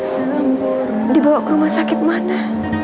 dibawa ke rumah sakit mana